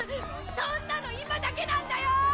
そんなの今だけなんだよ！